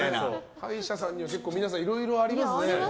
歯医者さんには結構皆さんいろいろありますね。